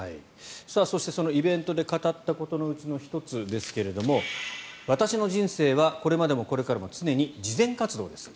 そして、そのイベントで語ったことのうちの１つですが私の人生はこれまでもこれからも常に慈善活動です。